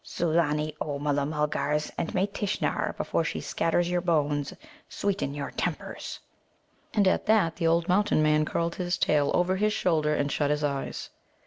Sulâni, O Mulla mulgars, and may Tishnar, before she scatters your bones, sweeten your tempers!" And at that the old Mountain man curled his tail over his shoulder and shut his eyes.